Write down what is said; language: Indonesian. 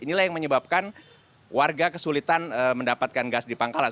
inilah yang menyebabkan warga kesulitan mendapatkan gas di pangkalan